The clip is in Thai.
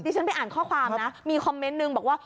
ฉันไปอ่านข้อความนะมีคอมเมนต์นึงบอกว่า